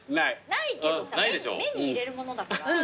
ないけどさ目に入れるものだから。